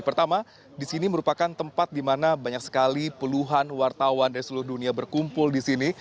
pertama di sini merupakan tempat di mana banyak sekali puluhan wartawan dari seluruh dunia berkumpul di sini